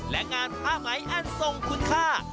และงานผ้าไหมอันทรงคุณค่า